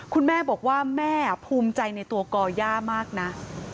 คุณแม่บอกว่าแม่ภูมิใจในตัวก่อย่ามากนะ